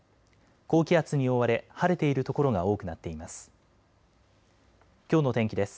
高気圧に覆われ晴れている所が多くなっています。